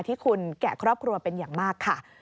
ที่คุณแก่ครอบครัวเป็นอย่างมากค่ะ